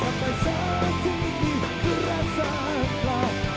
hati tak mampu cepat menerangkan